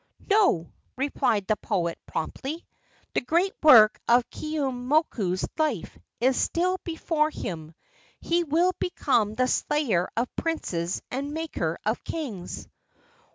"No," replied the poet, promptly. "The great work of Keeaumoku's life is still before him. He will become the slayer of princes and maker of kings."